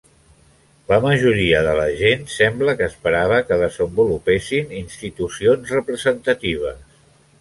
La majoria de la gent sembla que esperava que desenvolupessin institucions representatives.